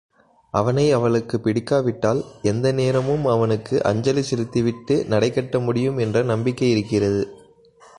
அவனை அவளுக்குப் பிடிக்காவிட்டால் எந்த நேரமும் அவனுக்கு அஞ்சலி செலுத்திவிட்டு நடைகட்ட முடியும் என்ற நம்பிக்கை இருக்கிறது.